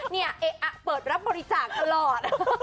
เนี่ยเอ๊ะเปิดรับบริจาคตลอด